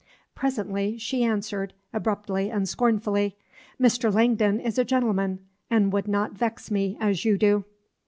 Presently she answered, abruptly and scornfully, "Mr. Langdon is a gentleman, and would not vex me as you do."